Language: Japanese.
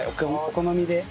お好みで。